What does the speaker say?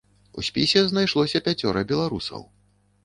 У спісе знайшлося пяцёра беларусаў.